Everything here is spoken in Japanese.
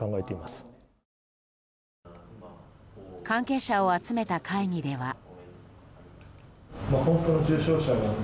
関係者を集めた会議では。